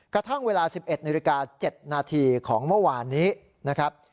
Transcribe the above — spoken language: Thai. กระทั่งเวลา๑๑นาฬิกา๗นาทีของเมื่อวานนี้นะครับ